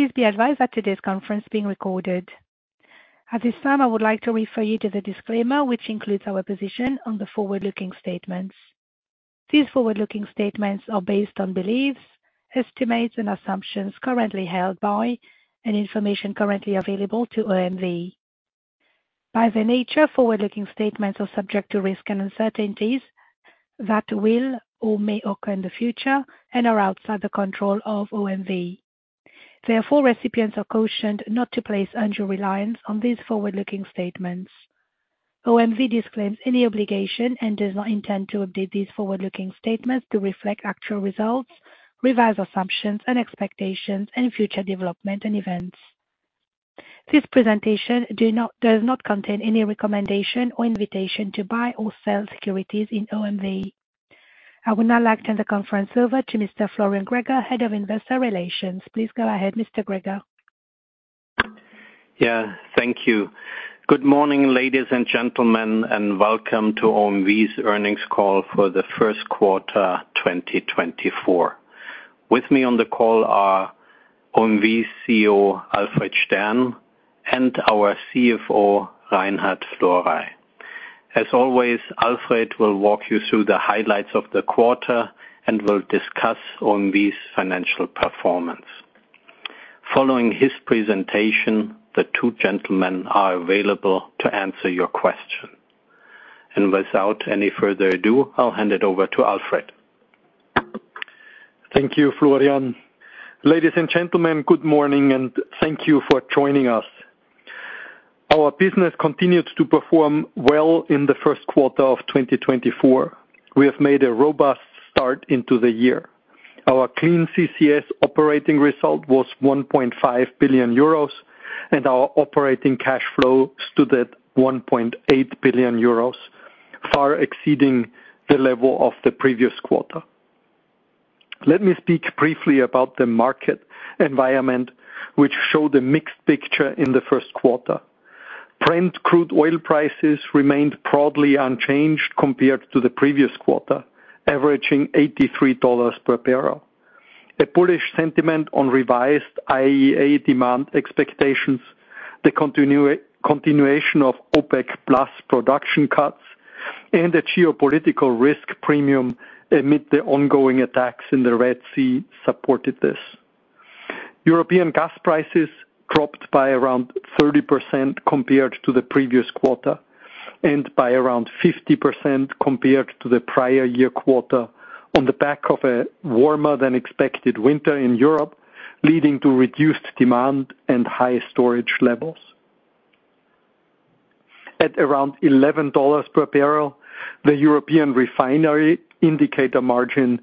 Please be advised that today's conference is being recorded. At this time, I would like to refer you to the disclaimer, which includes our position on the forward-looking statements. These forward-looking statements are based on beliefs, estimates, and assumptions currently held by, and information currently available to OMV. By their nature, forward-looking statements are subject to risks and uncertainties that will or may occur in the future and are outside the control of OMV. Therefore, recipients are cautioned not to place undue reliance on these forward-looking statements. OMV disclaims any obligation and does not intend to update these forward-looking statements to reflect actual results, revised assumptions and expectations, and future development and events. This presentation does not contain any recommendation or invitation to buy or sell securities in OMV. I would now like to turn the conference over to Mr. Florian Greger, Head of Investor Relations. Please go ahead, Mr. Greger. Yeah, thank you. Good morning, ladies and gentlemen, and welcome to OMV's earnings call for the first quarter, 2024. With me on the call are OMV's CEO, Alfred Stern, and our CFO, Reinhard Florey. As always, Alfred will walk you through the highlights of the quarter and will discuss OMV's financial performance. Following his presentation, the two gentlemen are available to answer your question. And without any further ado, I'll hand it over to Alfred. Thank you, Florian. Ladies and gentlemen, good morning, and thank you for joining us. Our business continued to perform well in the first quarter of 2024. We have made a robust start into the year. Our Clean CCS operating result was 1.5 billion euros, and our operating cash flow stood at 1.8 billion euros, far exceeding the level of the previous quarter. Let me speak briefly about the market environment, which showed a mixed picture in the first quarter. Brent crude oil prices remained broadly unchanged compared to the previous quarter, averaging $83 per barrel. A bullish sentiment on revised IEA demand expectations, the continuation of OPEC+ production cuts, and a geopolitical risk premium amid the ongoing attacks in the Red Sea supported this. European gas prices dropped by around 30% compared to the previous quarter, and by around 50% compared to the prior year quarter on the back of a warmer-than-expected winter in Europe, leading to reduced demand and high storage levels. At around $11 per barrel, the European refinery indicator margin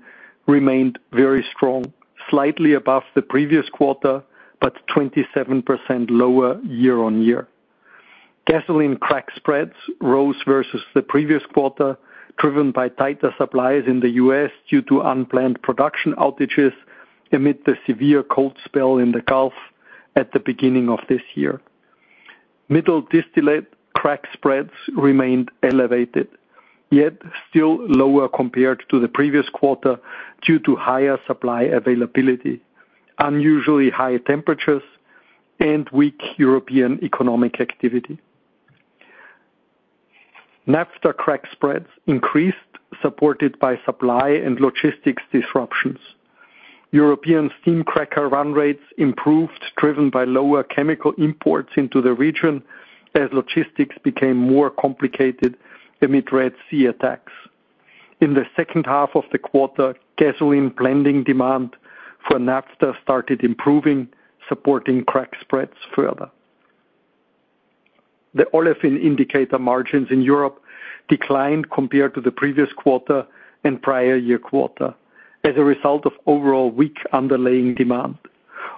remained very strong, slightly above the previous quarter, but 27% lower year-on-year. Gasoline crack spreads rose versus the previous quarter, driven by tighter supplies in the U.S. due to unplanned production outages amid the severe cold spell in the Gulf at the beginning of this year. Middle distillate crack spreads remained elevated, yet still lower compared to the previous quarter, due to higher supply availability, unusually high temperatures, and weak European economic activity. Naphtha crack spreads increased, supported by supply and logistics disruptions. European steam cracker run rates improved, driven by lower chemical imports into the region as logistics became more complicated amid Red Sea attacks. In the second half of the quarter, gasoline blending demand for naphtha started improving, supporting crack spreads further. The olefin indicator margins in Europe declined compared to the previous quarter and prior year quarter as a result of overall weak underlying demand.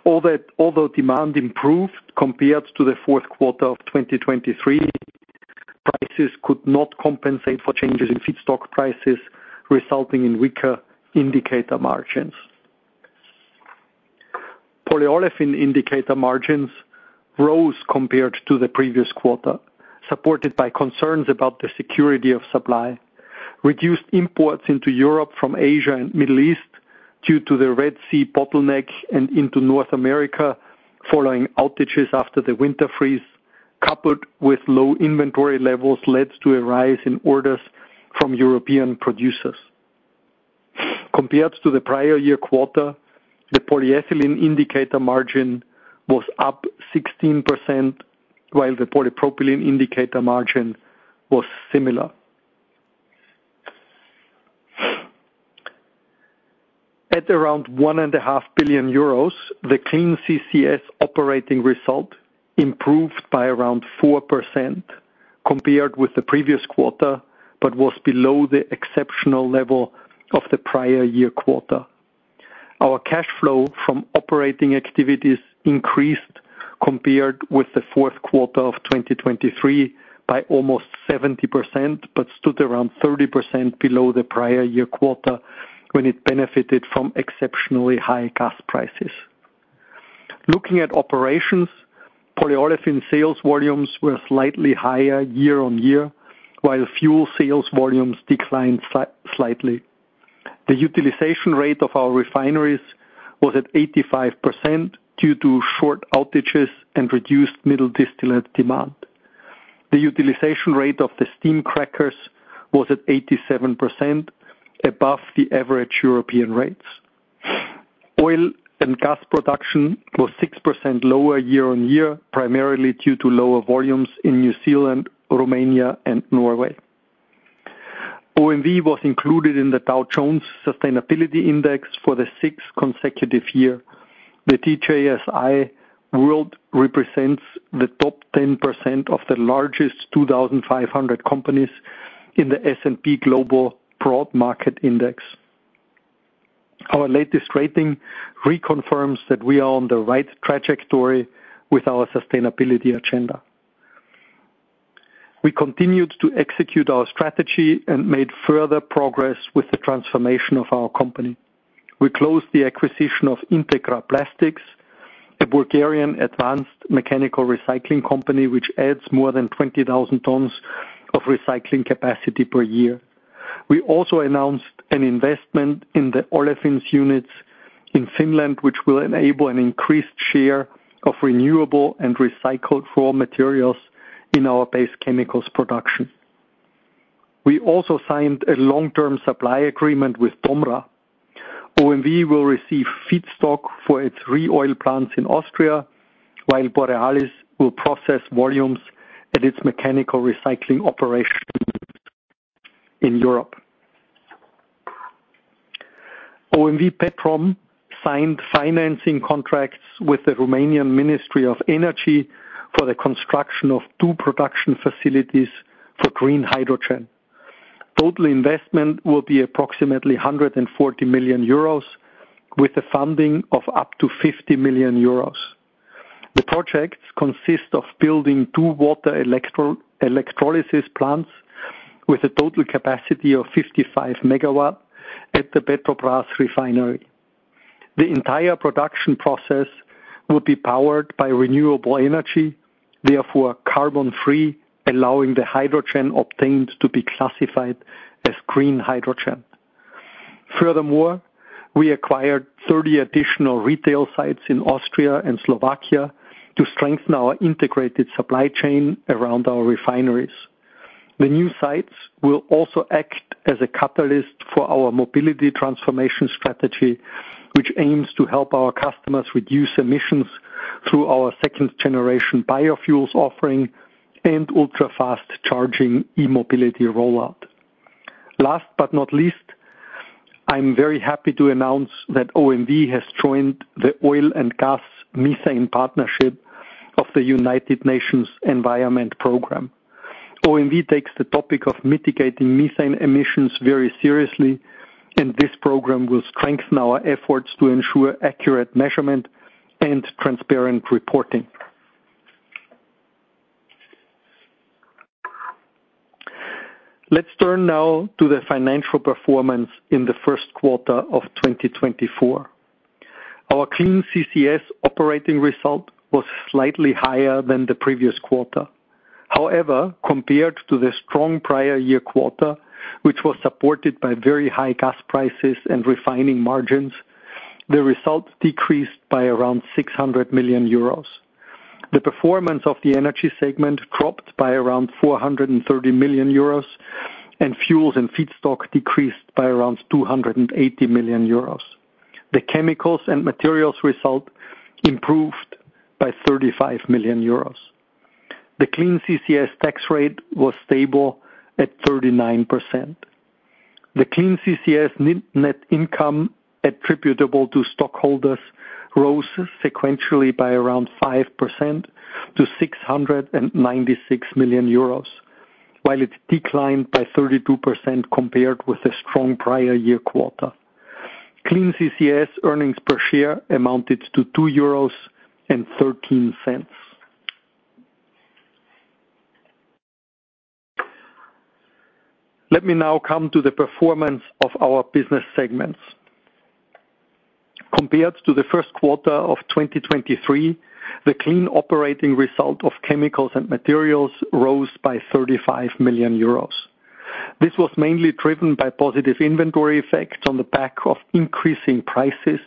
Although demand improved compared to the fourth quarter of 2023, prices could not compensate for changes in feedstock prices, resulting in weaker indicator margins. Polyolefin indicator margins rose compared to the previous quarter, supported by concerns about the security of supply. Reduced imports into Europe from Asia and Middle East due to the Red Sea bottleneck and into North America following outages after the winter freeze, coupled with low inventory levels, led to a rise in orders from European producers. Compared to the prior year quarter, the polyethylene indicator margin was up 16%, while the polypropylene indicator margin was similar. At around 1.5 billion euros, the Clean CCS operating result improved by around 4% compared with the previous quarter, but was below the exceptional level of the prior year quarter. Our cash flow from operating activities increased compared with the fourth quarter of 2023 by almost 70%, but stood around 30% below the prior year quarter, when it benefited from exceptionally high gas prices. Looking at operations, polyolefin sales volumes were slightly higher year-on-year, while fuel sales volumes declined slightly. The utilization rate of our refineries was at 85% due to short outages and reduced middle distillate demand. The utilization rate of the steam crackers was at 87%, above the average European rates. Oil and gas production was 6% lower year-on-year, primarily due to lower volumes in New Zealand, Romania, and Norway. OMV was included in the Dow Jones Sustainability Index for the sixth consecutive year. The DJSI World represents the top 10% of the largest 2,500 companies in the S&P Global Broad Market Index. Our latest rating reconfirms that we are on the right trajectory with our sustainability agenda. We continued to execute our strategy and made further progress with the transformation of our company. We closed the acquisition of Integra Plastics, a Bulgarian advanced mechanical recycling company, which adds more than 20,000 tons of recycling capacity per year. We also announced an investment in the olefins units in Finland, which will enable an increased share of renewable and recycled raw materials in our base chemicals production. We also signed a long-term supply agreement with Tomra. OMV will receive feedstock for its ReOil plants in Austria, while Borealis will process volumes at its mechanical recycling operation in Europe. OMV Petrom signed financing contracts with the Romanian Ministry of Energy for the construction of 2 production facilities for green hydrogen. Total investment will be approximately 140 million euros, with a funding of up to 50 million euros. The projects consist of building 2 water electrolysis plants with a total capacity of 55 megawatts at the Petrom refinery. The entire production process will be powered by renewable energy, therefore, carbon-free, allowing the hydrogen obtained to be classified as green hydrogen. Furthermore, we acquired 30 additional retail sites in Austria and Slovakia to strengthen our integrated supply chain around our refineries. The new sites will also act as a catalyst for our mobility transformation strategy, which aims to help our customers reduce emissions through our second-generation biofuels offering and ultra-fast charging e-mobility rollout. Last but not least, I'm very happy to announce that OMV has joined the Oil and Gas Methane Partnership of the United Nations Environment Program. OMV takes the topic of mitigating methane emissions very seriously, and this program will strengthen our efforts to ensure accurate measurement and transparent reporting. Let's turn now to the financial performance in the first quarter of 2024. Our Clean CCS operating result was slightly higher than the previous quarter. However, compared to the strong prior year quarter, which was supported by very high gas prices and refining margins, the results decreased by around 600 million euros. The performance of the energy segment dropped by around 430 million euros, and fuels and feedstock decreased by around 280 million euros. The chemicals and materials result improved by 35 million euros. The Clean CCS tax rate was stable at 39%. The Clean CCS net income attributable to stockholders rose sequentially by around 5% to 696 million euros, while it declined by 32% compared with the strong prior year quarter. Clean CCS earnings per share amounted to 2.13 euros. Let me now come to the performance of our business segments. Compared to the first quarter of 2023, the clean operating result of chemicals and materials rose by 35 million euros. This was mainly driven by positive inventory effects on the back of increasing prices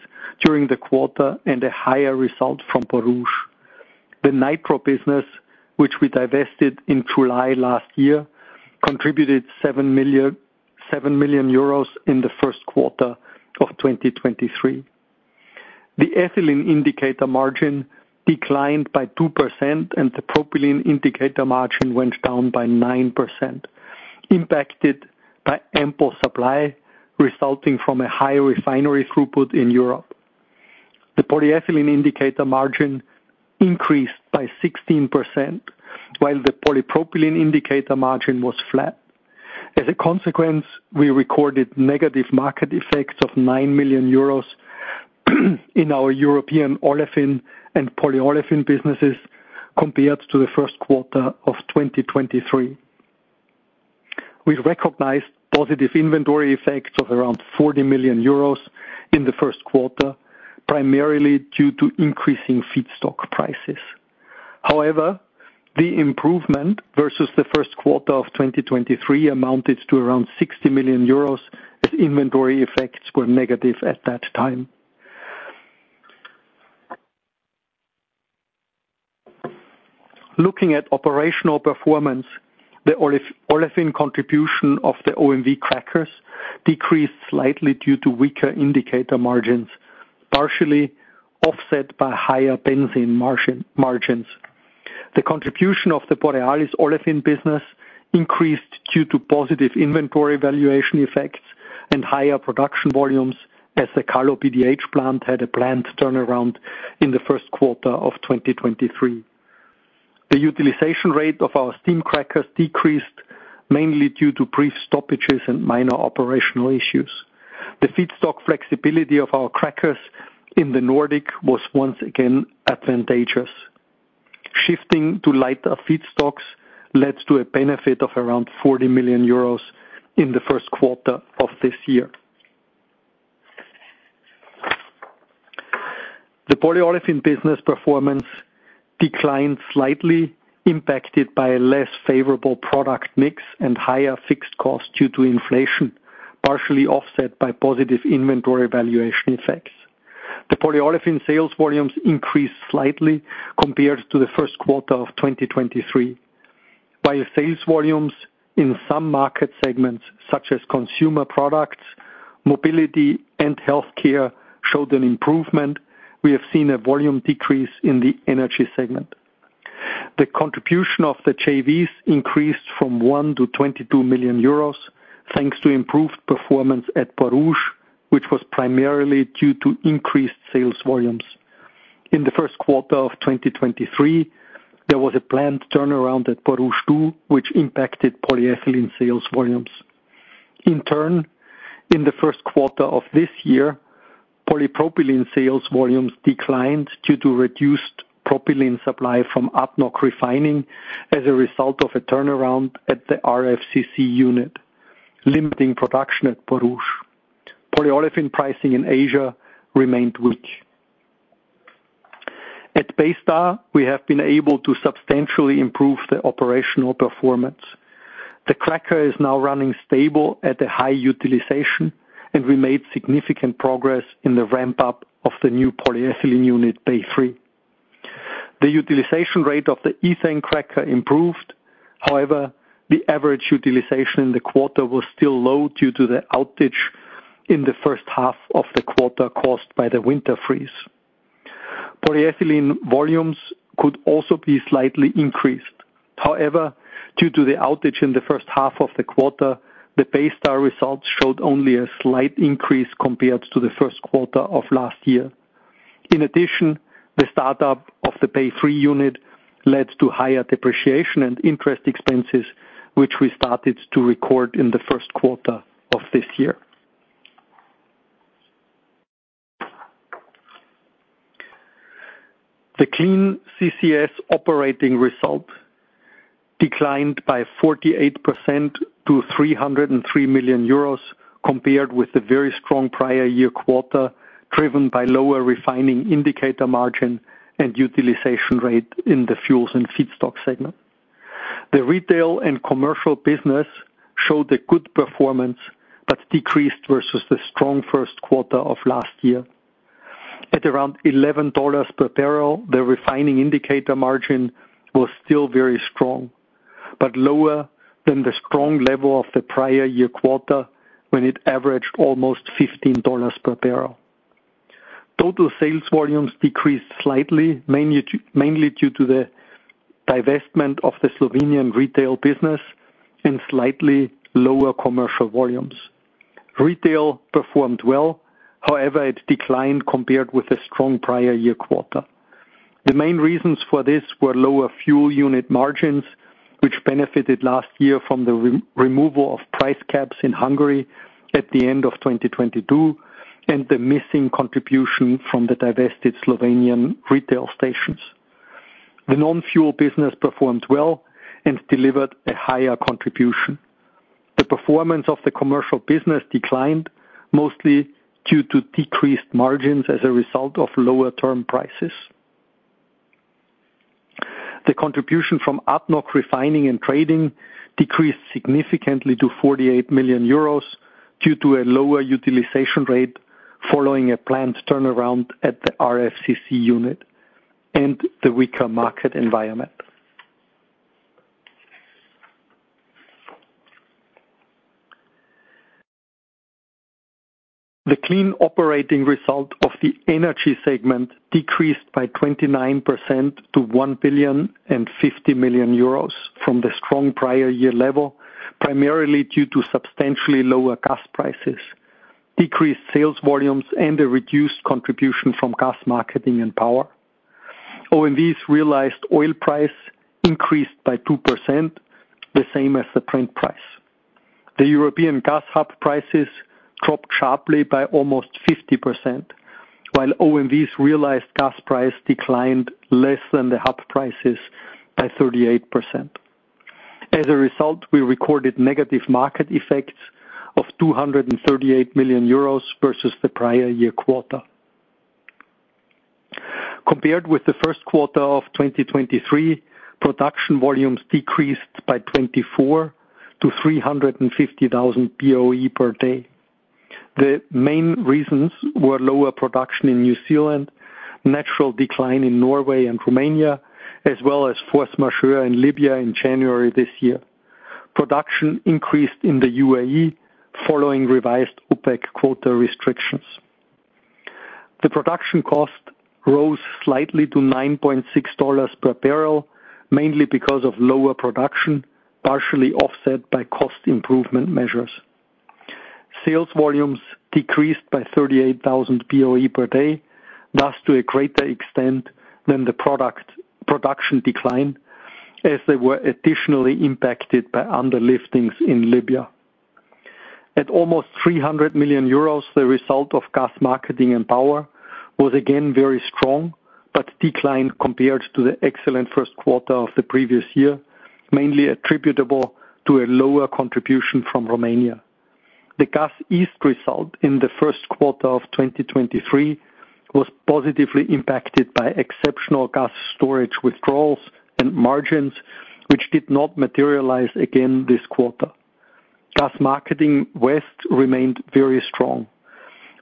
during the quarter and a higher result from Borouge. The Nitro business, which we divested in July last year, contributed 7 million euros, 7 million euros in the first quarter of 2023. The ethylene indicator margin declined by 2%, and the propylene indicator margin went down by 9%, impacted by ample supply, resulting from a higher refinery throughput in Europe. The polyethylene indicator margin increased by 16%, while the polypropylene indicator margin was flat. As a consequence, we recorded negative market effects of 9 million euros in our European olefin and polyolefin businesses compared to the first quarter of 2023.... We recognized positive inventory effects of around 40 million euros in the first quarter, primarily due to increasing feedstock prices. However, the improvement versus the first quarter of 2023 amounted to around 60 million euros, as inventory effects were negative at that time. Looking at operational performance, the olefin contribution of the OMV crackers decreased slightly due to weaker indicator margins, partially offset by higher benzene margins. The contribution of the Borealis olefin business increased due to positive inventory valuation effects and higher production volumes, as the Kallo PDH plant had a planned turnaround in the first quarter of 2023. The utilization rate of our steam crackers decreased, mainly due to brief stoppages and minor operational issues. The feedstock flexibility of our crackers in the Nordic was once again advantageous. Shifting to lighter feedstocks led to a benefit of around 40 million euros in the first quarter of this year. The polyolefin business performance declined slightly, impacted by a less favorable product mix and higher fixed costs due to inflation, partially offset by positive inventory valuation effects. The polyolefin sales volumes increased slightly compared to the first quarter of 2023. While sales volumes in some market segments, such as consumer products, mobility, and healthcare, showed an improvement, we have seen a volume decrease in the energy segment. The contribution of the JVs increased from 1 million to 22 million euros, thanks to improved performance at Borouge, which was primarily due to increased sales volumes. In the first quarter of 2023, there was a planned turnaround at Borouge 2, which impacted polyethylene sales volumes. In turn, in the first quarter of this year, polypropylene sales volumes declined due to reduced propylene supply from ADNOC Refining as a result of a turnaround at the RFCC unit, limiting production at Borouge. Polyolefin pricing in Asia remained weak. At Baystar, we have been able to substantially improve the operational performance. The cracker is now running stable at a high utilization, and we made significant progress in the ramp-up of the new polyethylene unit, Bay 3. The utilization rate of the ethane cracker improved. However, the average utilization in the quarter was still low due to the outage in the first half of the quarter, caused by the winter freeze. Polyethylene volumes could also be slightly increased. However, due to the outage in the first half of the quarter, the Baystar results showed only a slight increase compared to the first quarter of last year. In addition, the startup of the Bay 3 unit led to higher depreciation and interest expenses, which we started to record in the first quarter of this year. The Clean CCS operating result declined by 48% to 303 million euros, compared with the very strong prior year quarter, driven by lower refining indicator margin and utilization rate in the fuels and feedstock segment. The retail and commercial business showed a good performance, but decreased versus the strong first quarter of last year. At around $11 per barrel, the refining indicator margin was still very strong, but lower than the strong level of the prior year quarter, when it averaged almost $15 per barrel. Total sales volumes decreased slightly, mainly due to the divestment of the Slovenian retail business and slightly lower commercial volumes. Retail performed well. However, it declined compared with the strong prior year quarter. The main reasons for this were lower fuel unit margins, which benefited last year from the re-removal of price caps in Hungary at the end of 2022, and the missing contribution from the divested Slovenian retail stations. The non-fuel business performed well and delivered a higher contribution. The performance of the commercial business declined, mostly due to decreased margins as a result of lower term prices. The contribution from ADNOC Refining and Trading decreased significantly to 48 million euros due to a lower utilization rate, following a planned turnaround at the RFCC unit and the weaker market environment. The clean operating result of the energy segment decreased by 29% to 1.05 billion from the strong prior year level, primarily due to substantially lower gas prices, decreased sales volumes, and a reduced contribution from gas marketing and power. OMV's realized oil price increased by 2%, the same as the Brent price. The European gas hub prices dropped sharply by almost 50%.... While OMV's realized gas price declined less than the hub prices by 38%. As a result, we recorded negative market effects of 238 million euros versus the prior year quarter. Compared with the first quarter of 2023, production volumes decreased by 24,000 to 350,000 BOE per day. The main reasons were lower production in New Zealand, natural decline in Norway and Romania, as well as force majeure in Libya in January this year. Production increased in the UAE following revised OPEC quota restrictions. The production cost rose slightly to $9.6 per barrel, mainly because of lower production, partially offset by cost improvement measures. Sales volumes decreased by 38,000 BOE per day, thus to a greater extent than the production decline, as they were additionally impacted by underliftings in Libya. At almost 300 million euros, the result of gas marketing and power was again very strong, but declined compared to the excellent first quarter of the previous year, mainly attributable to a lower contribution from Romania. The Gas East result in the first quarter of 2023 was positively impacted by exceptional gas storage withdrawals and margins, which did not materialize again this quarter. Gas Marketing West remained very strong.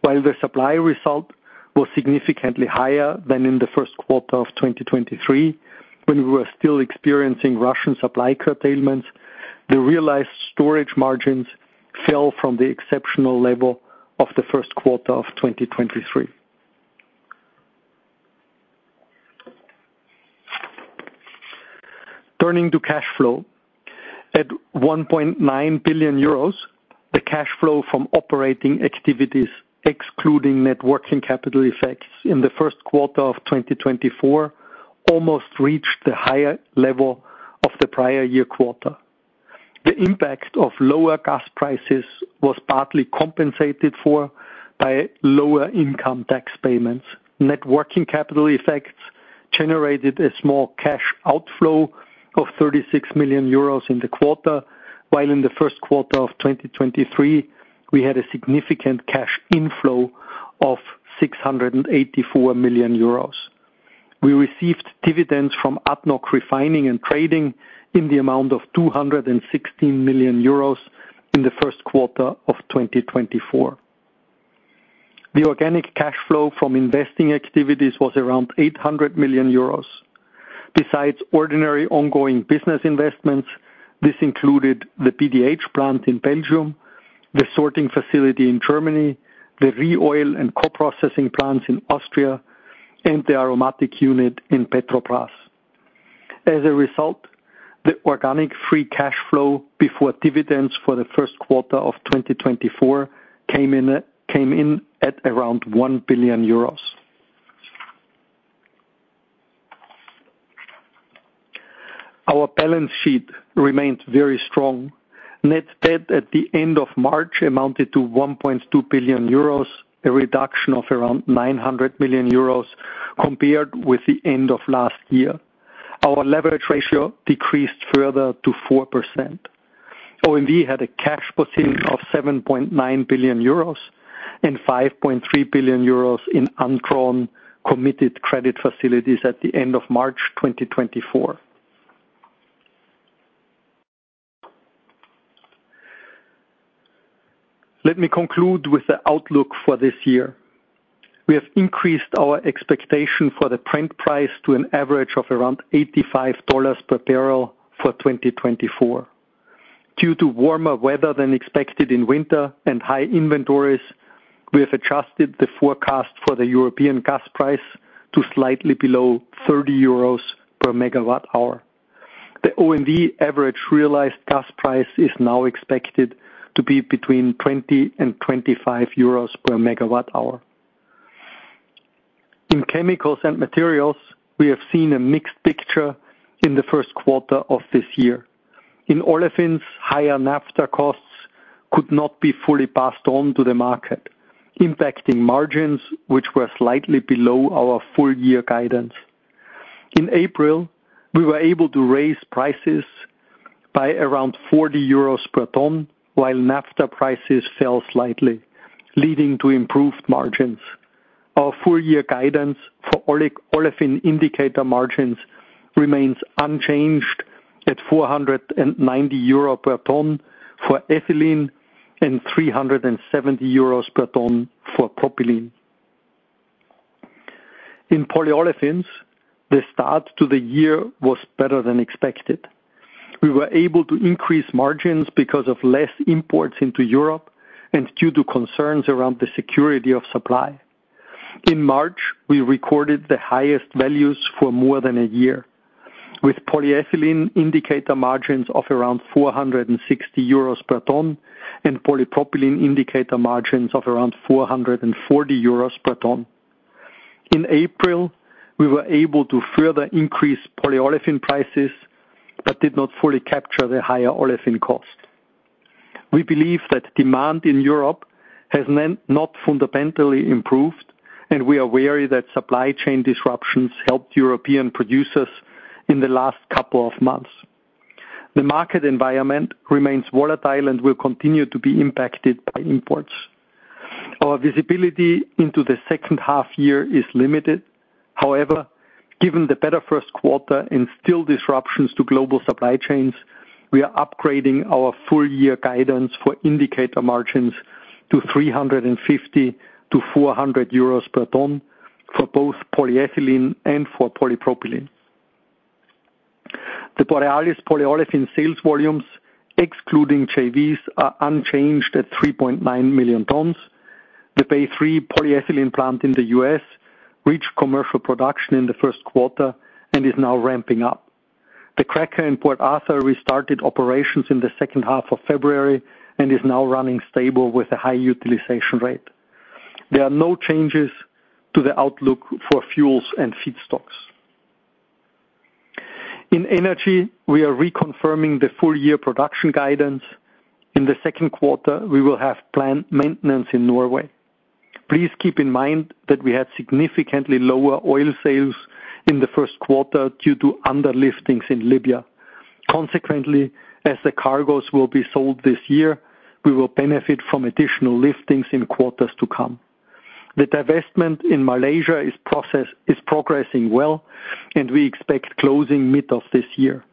While the supply result was significantly higher than in the first quarter of 2023, when we were still experiencing Russian supply curtailments, the realized storage margins fell from the exceptional level of the first quarter of 2023. Turning to cash flow. At 1.9 billion euros, the cash flow from operating activities, excluding net working capital effects in the first quarter of 2024, almost reached the higher level of the prior year quarter. The impact of lower gas prices was partly compensated for by lower income tax payments. Net working capital effects generated a small cash outflow of 36 million euros in the quarter, while in the first quarter of 2023, we had a significant cash inflow of 684 million euros. We received dividends from ADNOC Refining and Trading in the amount of 216 million euros in the first quarter of 2024. The organic cash flow from investing activities was around 800 million euros. Besides ordinary ongoing business investments, this included the PDH plant in Belgium, the sorting facility in Germany, the ReOil and co-processing plants in Austria, and the aromatic unit in Petrobrazi. As a result, the organic free cash flow before dividends for the first quarter of 2024 came in at around 1 billion euros. Our balance sheet remains very strong. Net debt at the end of March amounted to 1.2 billion euros, a reduction of around 900 million euros compared with the end of last year. Our leverage ratio decreased further to 4%. OMV had a cash position of 7.9 billion euros and 5.3 billion euros in undrawn committed credit facilities at the end of March 2024. Let me conclude with the outlook for this year. We have increased our expectation for the Brent price to an average of around $85 per barrel for 2024. Due to warmer weather than expected in winter and high inventories, we have adjusted the forecast for the European gas price to slightly below 30 euros per megawatt hour. The OMV average realized gas price is now expected to be between 20 and 25 euros per megawatt hour. In chemicals and materials, we have seen a mixed picture in the first quarter of this year. In olefins, higher naphtha costs could not be fully passed on to the market, impacting margins, which were slightly below our full year guidance. In April, we were able to raise prices by around 40 euros per ton, while naphtha prices fell slightly, leading to improved margins. Our full year guidance for olefin indicator margins remains unchanged at 490 euro per ton for ethylene, and 370 euros per ton for propylene. In polyolefins, the start to the year was better than expected. We were able to increase margins because of less imports into Europe and due to concerns around the security of supply. In March, we recorded the highest values for more than a year, with polyethylene indicator margins of around 460 euros per ton, and polypropylene indicator margins of around 440 euros per ton. In April, we were able to further increase polyolefin prices, but did not fully capture the higher olefin cost... We believe that demand in Europe has then not fundamentally improved, and we are wary that supply chain disruptions helped European producers in the last couple of months. The market environment remains volatile and will continue to be impacted by imports. Our visibility into the second half year is limited. However, given the better first quarter and still disruptions to global supply chains, we are upgrading our full year guidance for indicator margins to 350-400 euros per ton for both polyethylene and for polypropylene. The Borealis polyolefin sales volumes, excluding JVs, are unchanged at 3.9 million tons. The Bay 3 polyethylene plant in the U.S. reached commercial production in the first quarter and is now ramping up. The cracker in Port Arthur restarted operations in the second half of February and is now running stable with a high utilization rate. There are no changes to the outlook for fuels and feedstocks. In energy, we are reconfirming the full year production guidance. In the second quarter, we will have planned maintenance in Norway. Please keep in mind that we had significantly lower oil sales in the first quarter due to underliftings in Libya. Consequently, as the cargoes will be sold this year, we will benefit from additional liftings in quarters to come. The divestment in Malaysia is progressing well, and we expect closing mid of this year.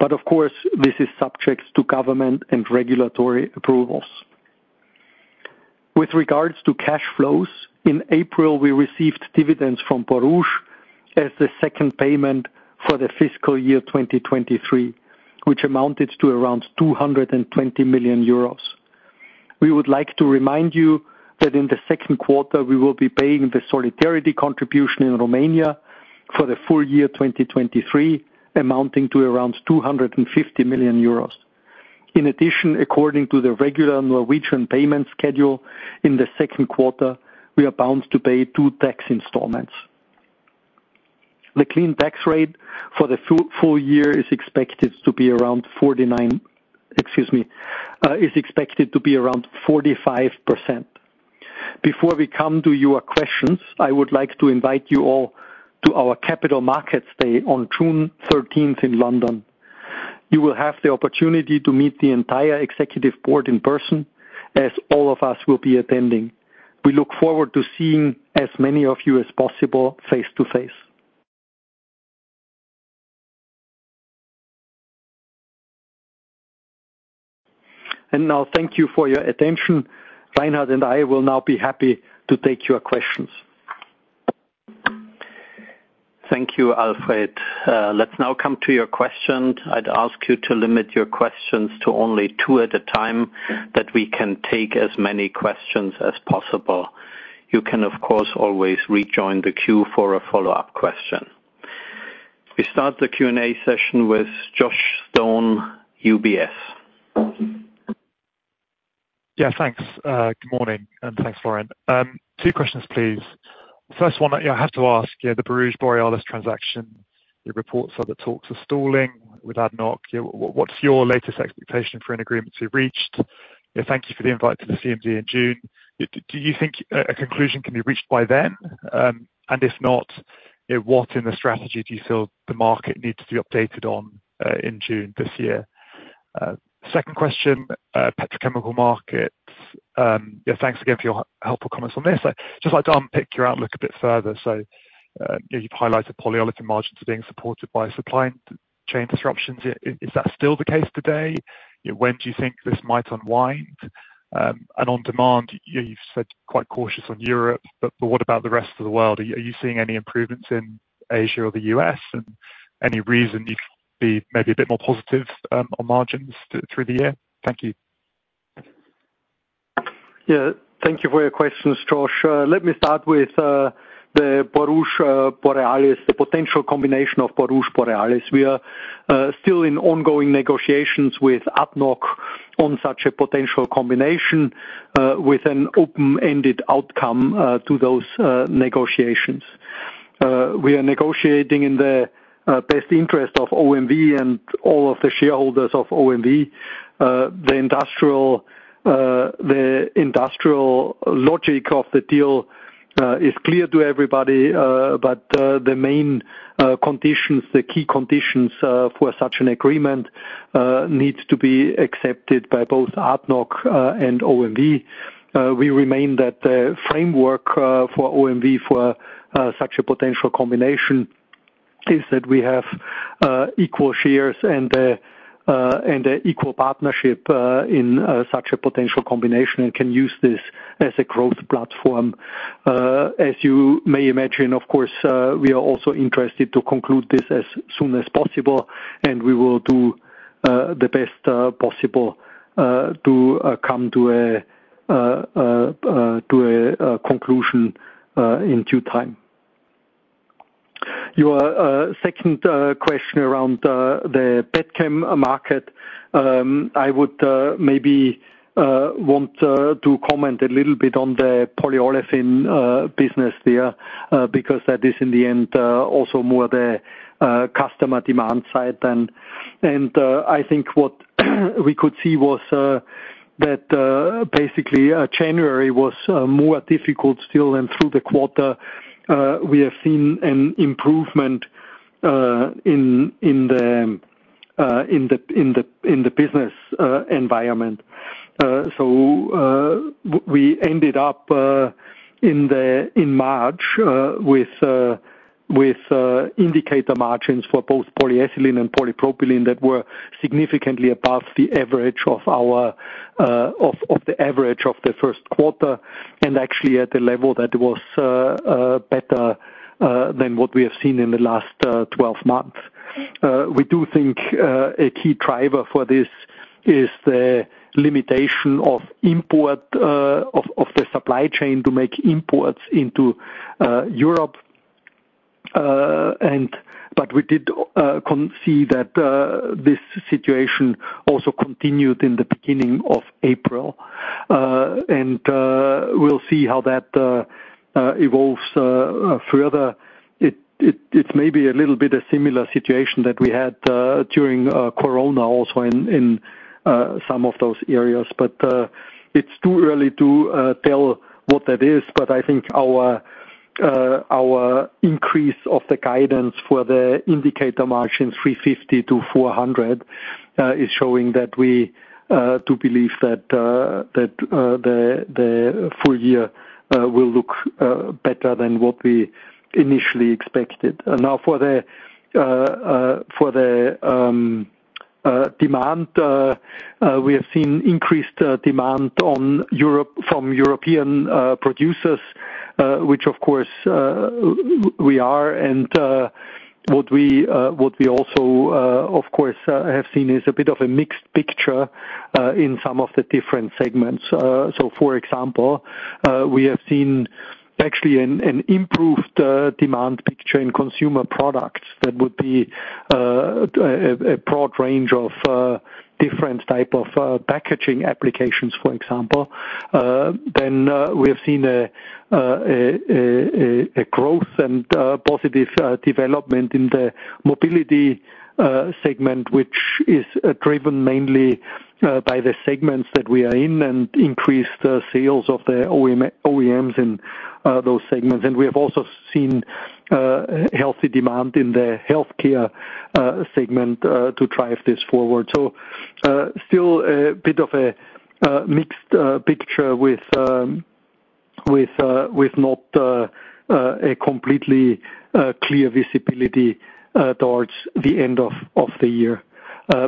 But of course, this is subject to government and regulatory approvals. With regards to cash flows, in April, we received dividends from Borouge as the second payment for the fiscal year 2023, which amounted to around 220 million euros. We would like to remind you that in the second quarter, we will be paying the solidarity contribution in Romania for the full year 2023, amounting to around 250 million euros. In addition, according to the regular Norwegian payment schedule, in the second quarter, we are bound to pay 2 tax installments. The clean tax rate for the full year is expected to be around 49, excuse me, is expected to be around 45%. Before we come to your questions, I would like to invite you all to our Capital Markets Day on June 13 in London. You will have the opportunity to meet the entire executive board in person, as all of us will be attending. We look forward to seeing as many of you as possible face to face. And now, thank you for your attention. Reinhard and I will now be happy to take your questions. Thank you, Alfred. Let's now come to your questions. I'd ask you to limit your questions to only two at a time, that we can take as many questions as possible. You can, of course, always rejoin the queue for a follow-up question. We start the Q&A session with Josh Stone, UBS. Yeah, thanks. Good morning, and thanks, Florian. Two questions, please. First one, I have to ask, yeah, the Borouge-Borealis transaction, the reports are that talks are stalling with ADNOC. What's your latest expectation for an agreement to be reached? Thank you for the invite to the CMD in June. Do you think a conclusion can be reached by then? And if not, what in the strategy do you feel the market needs to be updated on, in June this year? Second question, petrochemical markets. Yeah, thanks again for your helpful comments on this. I'd just like to unpick your outlook a bit further. So, you've highlighted polyolefin margins are being supported by supply chain disruptions. Is that still the case today? When do you think this might unwind? And on demand, you've said quite cautious on Europe, but what about the rest of the world? Are you seeing any improvements in Asia or the US, and any reason you'd be maybe a bit more positive on margins through the year? Thank you. Yeah, thank you for your questions, Josh. Let me start with the Borouge, Borealis, the potential combination of Borouge, Borealis. We are still in ongoing negotiations with ADNOC on such a potential combination, with an open-ended outcome to those negotiations. We are negotiating in the best interest of OMV and all of the shareholders of OMV. The industrial, the industrial logic of the deal is clear to everybody, but the main conditions, the key conditions, for such an agreement needs to be accepted by both ADNOC and OMV. We remain that the framework for OMV for such a potential combination is that we have equal shares and an equal partnership in such a potential combination and can use this as a growth platform. As you may imagine, of course, we are also interested to conclude this as soon as possible, and we will do the best possible to come to a conclusion in due time. Your second question around the petchem market, I would maybe want to comment a little bit on the polyolefin business there, because that is, in the end, also more the customer demand side than- And I think what we could see was that basically January was more difficult still, and through the quarter we have seen an improvement in the business environment. So, we ended up in March with indicator margins for both polyethylene and polypropylene that were significantly above the average of the first quarter, and actually at a level that was better than what we have seen in the last 12 months. We do think a key driver for this is the limitation of import of the supply chain to make imports into Europe. But we did continue to see that this situation also continued in the beginning of April. And we'll see how that evolves further. It's maybe a little bit a similar situation that we had during Corona also in some of those areas, but it's too early to tell what that is. But I think our increase of the guidance for the indicator margin, 350-400, is showing that we do believe that the full year will look better than what we initially expected. And now for the demand, we have seen increased demand on Europe from European producers, which of course we are. And what we also of course have seen is a bit of a mixed picture in some of the different segments. So for example, we have seen actually an improved demand picture in consumer products that would be a broad range of different type of packaging applications, for example. Then we have seen a growth and positive development in the mobility segment, which is driven mainly by the segments that we are in, and increased sales of the OEMs in those segments. And we have also seen healthy demand in the healthcare segment to drive this forward. So still a bit of a mixed picture with with not a completely clear visibility towards the end of the year.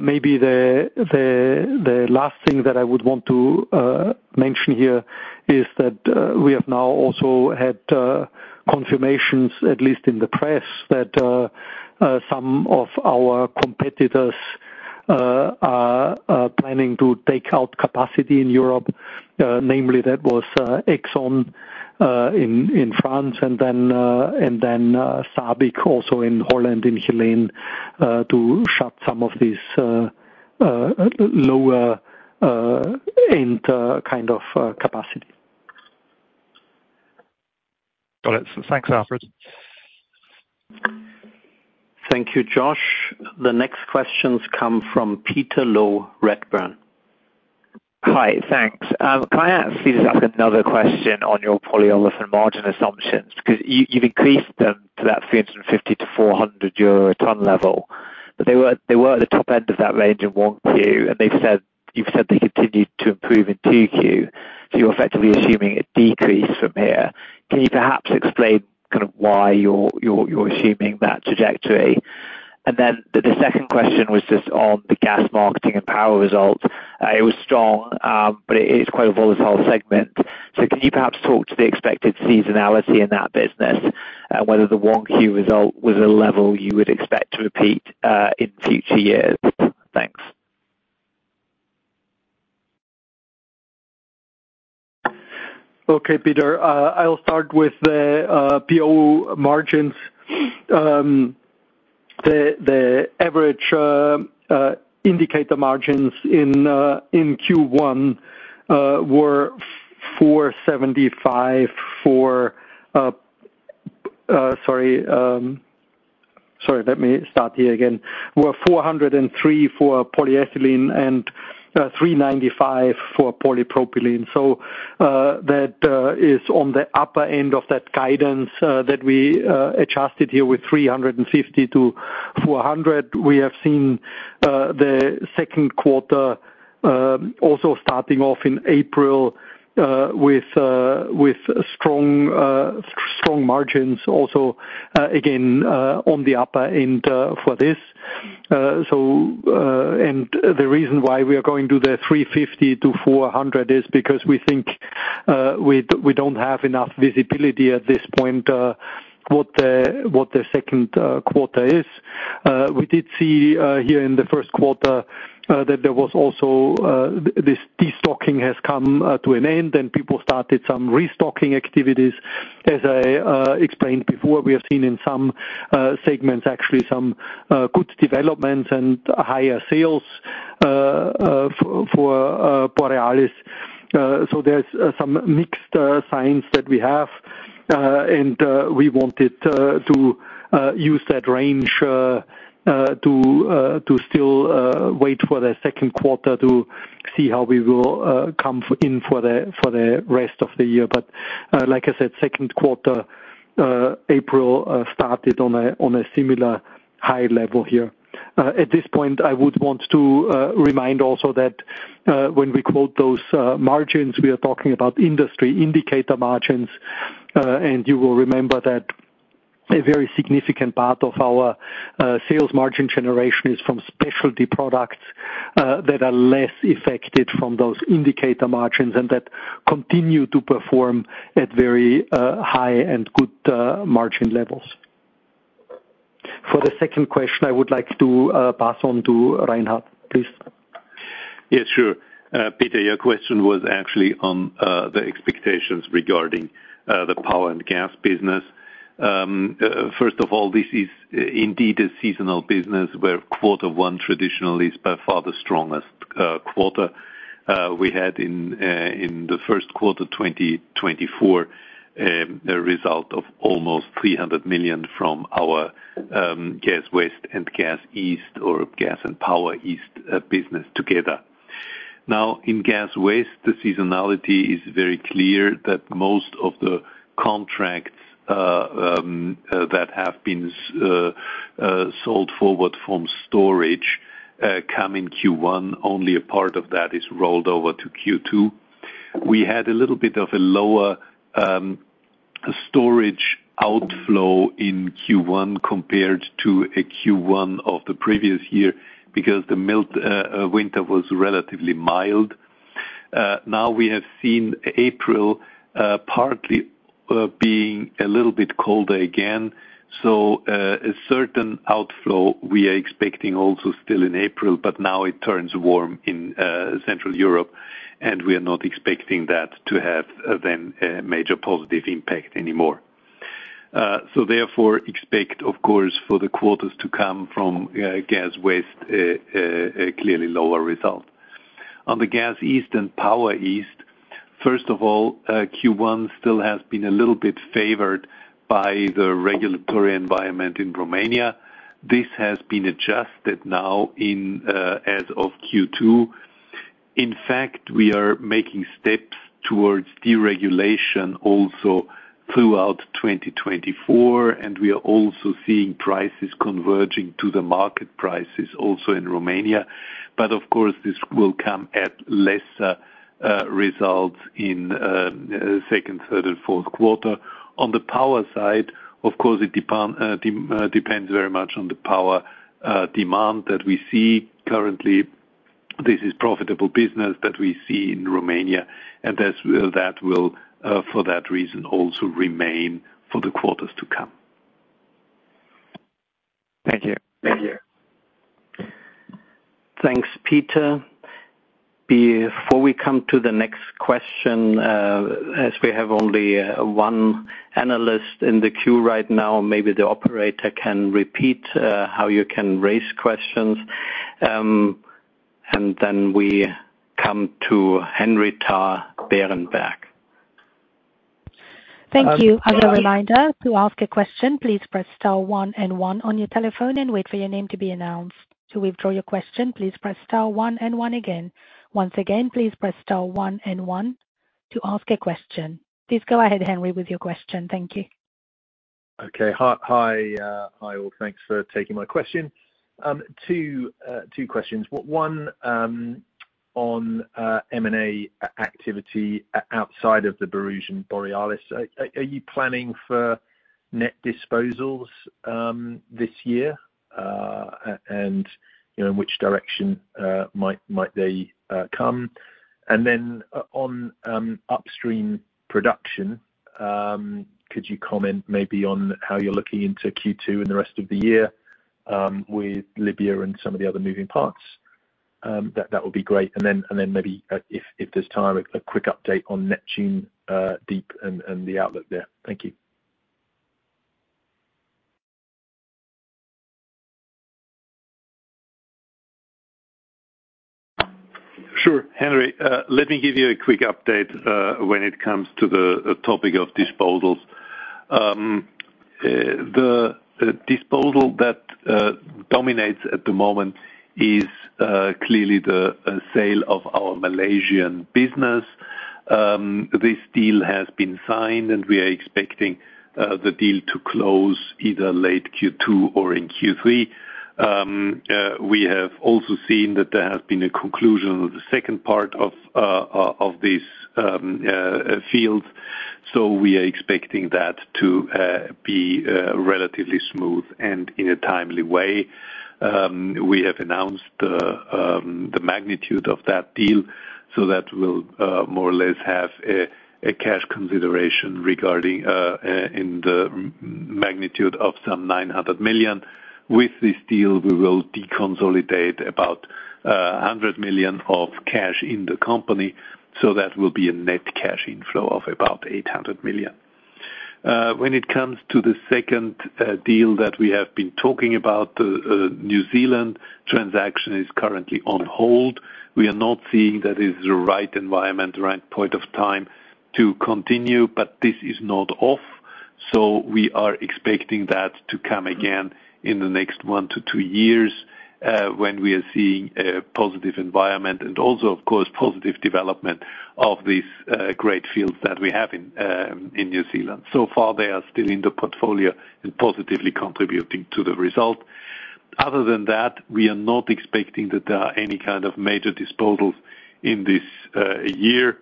Maybe the last thing that I would want to mention here is that we have now also had confirmations, at least in the press, that some of our competitors are planning to take out capacity in Europe, namely that was Exxon in France, and then SABIC also in Holland in line to shut some of these lower end kind of capacity. Got it. Thanks, Alfred. Thank you, Josh. The next questions come from Peter Low, Redburn. Hi, thanks. Can I ask you just ask another question on your polyolefin margin assumptions? 'Cause you've increased them to that 350-400 EUR/ton level, but they were at the top end of that range in 1Q, and you've said they continued to improve in 2Q. So you're effectively assuming a decrease from here. Can you perhaps explain kind of why you're assuming that trajectory? And then the second question was just on the gas marketing and power result. It was strong, but it is quite a volatile segment. So can you perhaps talk to the expected seasonality in that business, and whether the 1Q result was a level you would expect to repeat in future years? Thanks. Okay, Peter, I'll start with the PO margins. The average indicator margins in Q1 were 403 for polyethylene and 395 for polypropylene. So, that is on the upper end of that guidance that we adjusted here with 350-400. We have seen the second quarter also starting off in April with strong margins also again on the upper end for this. So, and the reason why we are going to the 350-400 is because we think we don't have enough visibility at this point what the second quarter is. We did see here in the first quarter that there was also this destocking has come to an end, and people started some restocking activities. As I explained before, we have seen in some segments, actually some good development and higher sales for Borealis. So there's some mixed signs that we have, and we wanted to use that range to to still wait for the second quarter to see how we will come in for the for the rest of the year. But, like I said, second quarter, April started on a on a similar high level here. At this point, I would want to remind also that, when we quote those margins, we are talking about industry indicator margins. And you will remember that a very significant part of our sales margin generation is from specialty products that are less affected from those indicator margins and that continue to perform at very high and good margin levels. For the second question, I would like to pass on to Reinhard, please. Yeah, sure. Peter, your question was actually on the expectations regarding the power and gas business. First of all, this is indeed a seasonal business where quarter one traditionally is by far the strongest quarter. We had in the first quarter, 2024, a result of almost 300 million from our gas west and gas east, or gas and power east, business together. Now, in gas west, the seasonality is very clear that most of the contracts that have been sold forward from storage come in Q1. Only a part of that is rolled over to Q2. We had a little bit of a lower storage outflow in Q1 compared to a Q1 of the previous year, because the mild winter was relatively mild. Now we have seen April partly being a little bit colder again, so a certain outflow we are expecting also still in April, but now it turns warm in Central Europe, and we are not expecting that to have then a major positive impact anymore. So therefore expect, of course, for the quarters to come from gas west a clearly lower result. On the gas east and power east, first of all, Q1 still has been a little bit favored by the regulatory environment in Romania. This has been adjusted now in as of Q2. In fact, we are making steps towards deregulation also throughout 2024, and we are also seeing prices converging to the market prices also in Romania. But of course, this will come at lesser results in second, third, and fourth quarter. On the power side, of course it depends very much on the power demand that we see currently. This is profitable business that we see in Romania, and that will, for that reason, also remain for the quarters to come. Thank you. Thank you. Thanks, Peter. Before we come to the next question, as we have only one analyst in the queue right now, maybe the operator can repeat how you can raise questions. And then we come to Henry Tarr, Berenberg. Thank you. As a reminder, to ask a question, please press star one and one on your telephone and wait for your name to be announced. To withdraw your question, please press star one and one again. Once again, please press star one and one to ask a question. Please go ahead, Henry, with your question. Thank you. Okay, hi. Hi, hi, all. Thanks for taking my question. Two, two questions. One, on, M&A activity outside of the Borealis. Are you planning for net disposals, this year? And, you know, in which direction, might they, come? And then on, upstream production, could you comment maybe on how you're looking into Q2 and the rest of the year, with Libya and some of the other moving parts? That would be great. And then, and then maybe, if there's time, a quick update on Neptun Deep and the outlook there. Thank you. Sure, Henry, let me give you a quick update when it comes to the topic of disposals. The disposal that dominates at the moment is clearly the sale of our Malaysian business. This deal has been signed, and we are expecting the deal to close either late Q2 or in Q3. We have also seen that there has been a conclusion of the second part of this field. So we are expecting that to be relatively smooth and in a timely way. We have announced the magnitude of that deal, so that will more or less have a cash consideration regarding in the magnitude of some 900 million. With this deal, we will deconsolidate about 100 million of cash in the company, so that will be a net cash inflow of about 800 million. When it comes to the second deal that we have been talking about, the New Zealand transaction is currently on hold. We are not seeing that is the right environment, the right point of time to continue, but this is not off. So we are expecting that to come again in the next 1-2 years, when we are seeing a positive environment, and also, of course, positive development of these great fields that we have in New Zealand. So far, they are still in the portfolio and positively contributing to the result. Other than that, we are not expecting that there are any kind of major disposals in this year.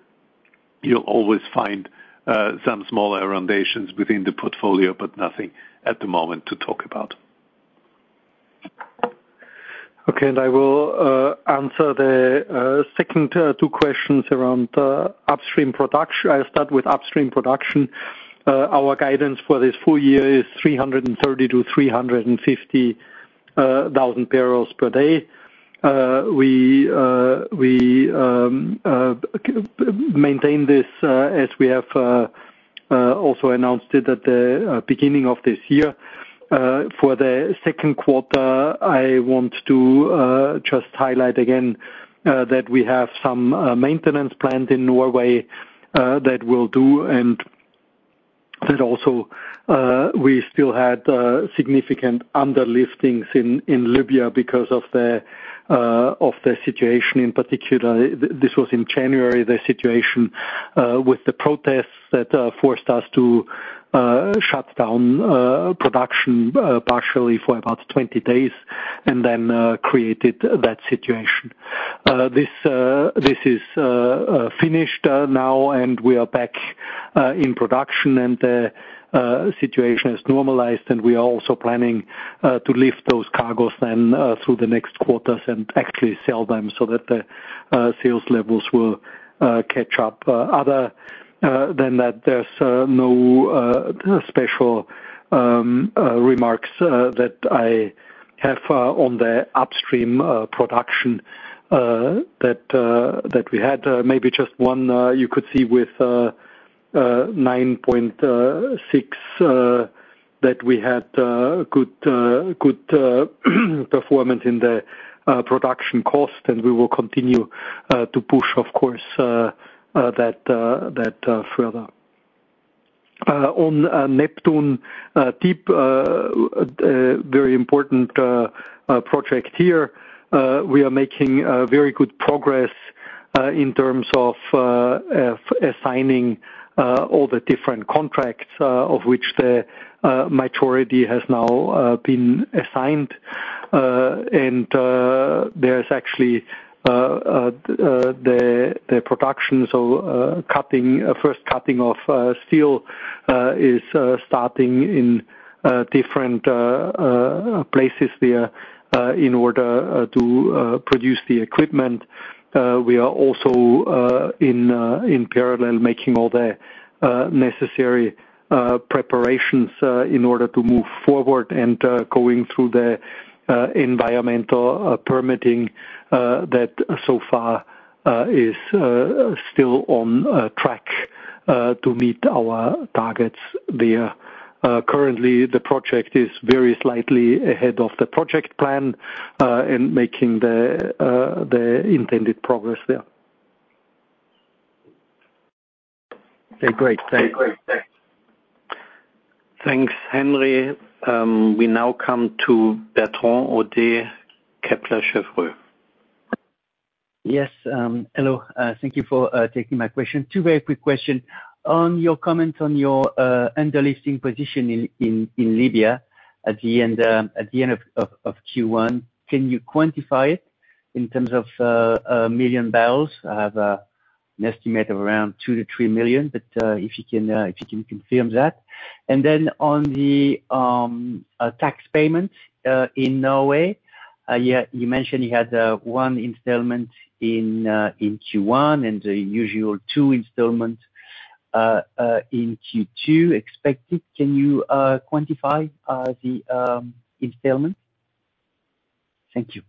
You'll always find some small readjustments within the portfolio, but nothing at the moment to talk about. Okay. I will answer the second two questions around upstream production. I'll start with upstream production. Our guidance for this full year is 330,000-350,000 barrels per day. We maintain this as we have also announced it at the beginning of this year. For the second quarter, I want to just highlight again that we have some maintenance planned in Norway that we'll do, and that also we still had significant underliftings in Libya because of the situation. In particular, this was in January, the situation with the protests that forced us to shut down production partially for about 20 days, and then created that situation. This is finished now, and we are back in production, and the situation is normalized, and we are also planning to lift those cargoes then through the next quarters and actually sell them so that the sales levels will catch up. Other than that, there's no special remarks that I have on the upstream production that we had. Maybe just one, you could see with 9.6 that we had good performance in the production cost, and we will continue to push, of course, that further. On Neptun Deep, very important project here, we are making very good progress in terms of assigning all the different contracts, of which the majority has now been assigned. And there's actually the production, so first cutting of steel is starting in different places there in order to produce the equipment. We are also in parallel making all the necessary preparations in order to move forward and going through the environmental permitting that so far is still on track to meet our targets there. Currently, the project is very slightly ahead of the project plan, in making the intended progress there. Great. Thanks. Thanks, Henry. We now come to Bertrand Hodée, Kepler Cheuvreux. Yes. Hello, thank you for taking my question. Two very quick questions. On your comment on your underlifting position in Libya at the end of Q1, can you quantify it in terms of a million barrels? I have an estimate of around 2-3 million, but if you can confirm that. And then on the tax payment in Norway, you mentioned you had one installment in Q1 and the usual two installment in Q2 expected. Can you quantify the installment? Thank you.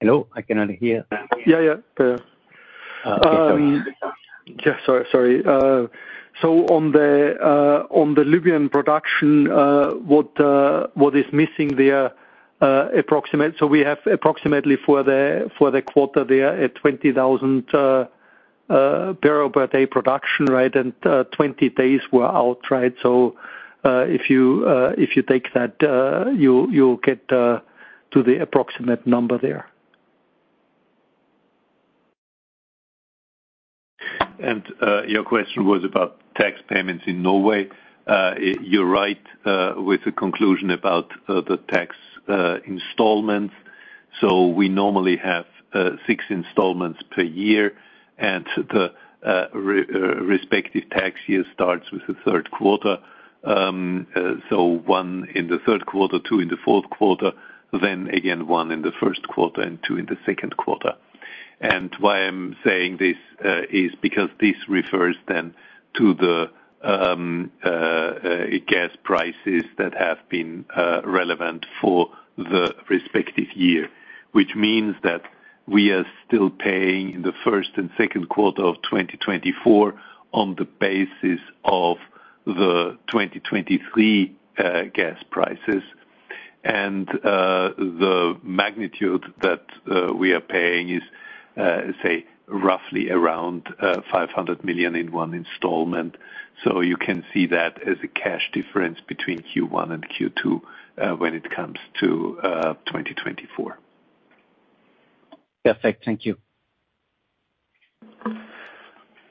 Hello, I cannot hear. Yeah, yeah. Okay, sorry. Yeah, sorry, sorry. So on the Libyan production, what is missing there, approximately. So we have approximately for the quarter there, a 20,000 barrel per day production rate, and 20 days were out, right? So if you take that, you'll get to the approximate number there. And your question was about tax payments in Norway. You're right with the conclusion about the tax installments. So we normally have six installments per year, and the respective tax year starts with the third quarter. So one in the third quarter, two in the fourth quarter, then again, one in the first quarter and two in the second quarter.... And why I'm saying this is because this refers then to the gas prices that have been relevant for the respective year. Which means that we are still paying in the first and second quarter of 2024 on the basis of the 2023 gas prices. And the magnitude that we are paying is say roughly around 500 million in one installment. So you can see that as a cash difference between Q1 and Q2 when it comes to 2024. Perfect. Thank you.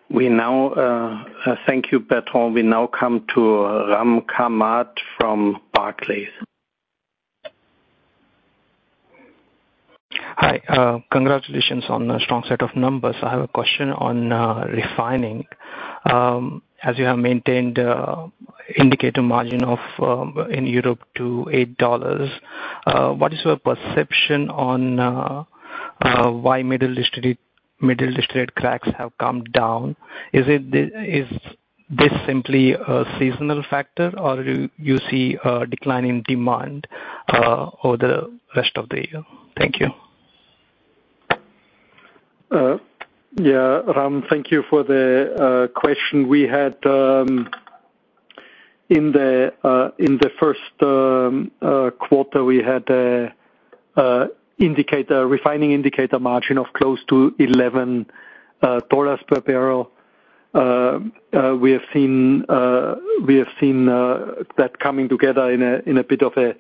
We now thank you, Bertrand. We now come to Ram Kamath from Barclays. Hi, congratulations on the strong set of numbers. I have a question on refining. As you have maintained indicator margin of $8 in Europe, what is your perception on why middle distillate cracks have come down? Is it this simply a seasonal factor, or do you see a decline in demand over the rest of the year? Thank you. Yeah, Ram, thank you for the question. We had in the first quarter we had a refining indicator margin of close to $11 per barrel. We have seen that coming together in a bit of a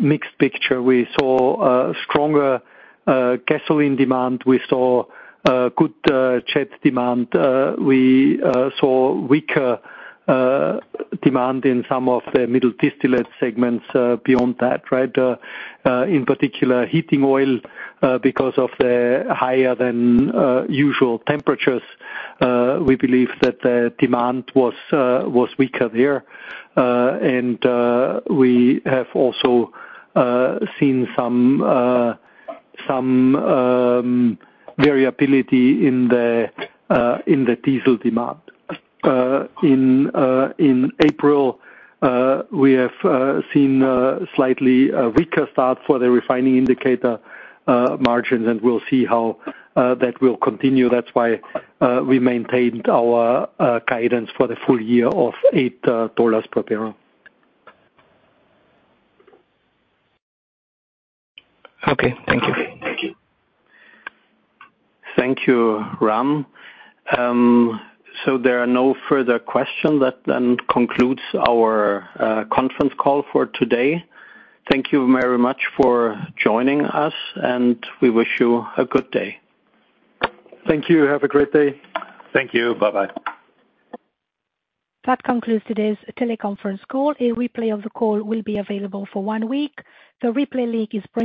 mixed picture. We saw stronger gasoline demand. We saw good jet demand. We saw weaker demand in some of the middle distillate segments, beyond that, right? In particular, heating oil, because of the higher than usual temperatures, we believe that the demand was weaker there. And we have also seen some variability in the diesel demand. In April, we have seen a slightly weaker start for the refining indicator margins, and we'll see how that will continue. That's why we maintained our guidance for the full year of $8 per barrel. Okay. Thank you. Thank you, Ram. So there are no further questions, that then concludes our conference call for today. Thank you very much for joining us, and we wish you a good day. Thank you. Have a great day. Thank you. Bye-bye. That concludes today's teleconference call. A replay of the call will be available for one week. The replay link is provided.